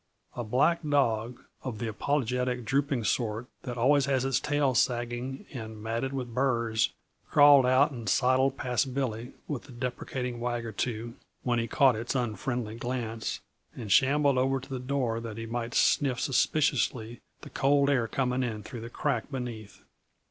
A black dog, of the apologetic drooping sort that always has its tail sagging and matted with burrs, crawled out and sidled past Billy with a deprecating wag or two when he caught his unfriendly glance, and shambled over to the door that he might sniff suspiciously the cold air coming in through the crack beneath.